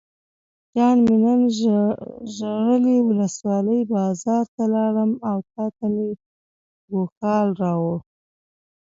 جان مې نن ژرۍ ولسوالۍ بازار ته لاړم او تاته مې ګوښال راوړل.